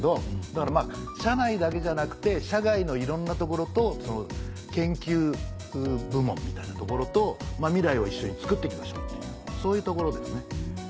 だから社内だけじゃなくて社外のいろんなところと研究部門みたいなところと未来を一緒に作って行きましょうっていうそういうところですね。